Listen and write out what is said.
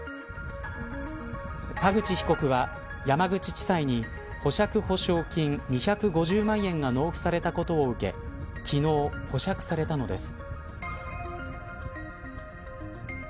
田口被告は山口地裁に保釈保証金２５０万円が納付されたことを受け昨日、保釈されたのです。